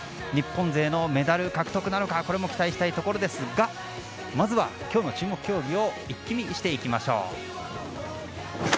日本勢のメダル獲得なるかこれも期待したいところですがまずは今日の注目競技を一気見していきましょう。